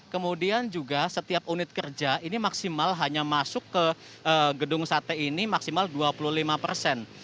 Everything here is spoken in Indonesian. kemudian juga setiap unit kerja ini maksimal hanya masuk ke gedung sate ini maksimal dua puluh lima persen